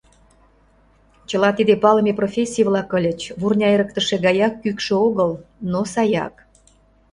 Чыла тиде палыме профессий-влак ыльыч, вурня эрыктыше гаяк кӱкшӧ огыл, но саяк.